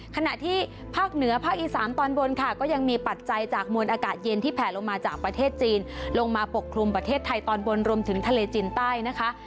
ขณะที่ภาคเหนือภาคอีสานตอนบนค่ะก็ยังมีปัจจัยจากมวลอากาศเย็นที่แผลลงมาจากประเทศจีนลงมาปกคลุมประเทศไทยตอนบนรวมถึงทะเลจีนใต้นะคะ